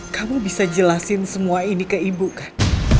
kamu bisa jelasin semua ini ke ibu kan